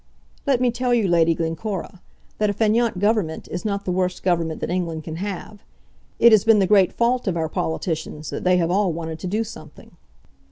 "Let me tell you, Lady Glencora, that a fainéant government is not the worst government that England can have. It has been the great fault of our politicians that they have all wanted to do something."